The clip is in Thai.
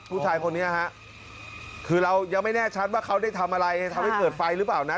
ผู้ชายคนนี้ฮะคือเรายังไม่แน่ชัดว่าเขาได้ทำอะไรทำให้เกิดไฟหรือเปล่านะ